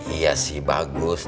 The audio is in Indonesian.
iya sih bagus